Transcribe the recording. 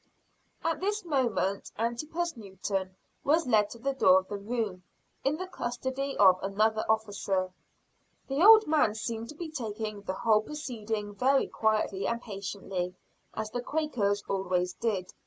At this moment Antipas Newton was led to the door of the room, in the custody of another officer. The old man seemed to be taking the whole proceeding very quietly and patiently, as the Quakers always did.